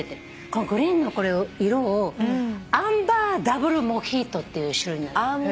このグリーンの色をアンバーダブルモヒートっていう種類なんだって。